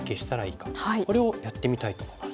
これをやってみたいと思います。